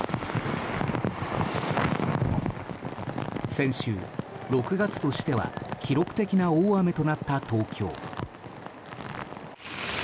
先週、６月としては記録的な大雨となった東京。